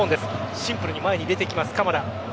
シンプルに前に入れていきます鎌田。